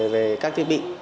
về các thiết bị